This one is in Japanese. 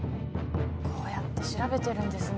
こうやって調べてるんですね。